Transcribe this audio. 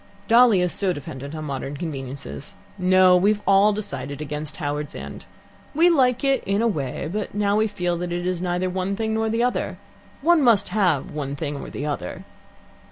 Dolly is so dependent on modern conveniences. No, we have all decided against Howards End. We like it in a way, but now we feel that it is neither one thing nor the other. One must have one thing or the other."